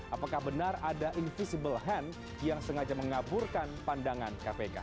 apakah benar ada invisible hand yang sengaja mengaburkan pandangan kpk